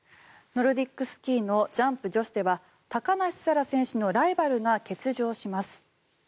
ノルディックスキーのジャンプ女子では高梨沙羅選手のライバルが欠場します。